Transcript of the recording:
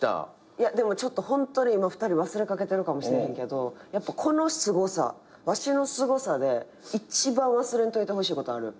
でもホントに今２人忘れかけてるかもしれへんけどやっぱこのすごさわしのすごさで一番忘れんといてほしいことある。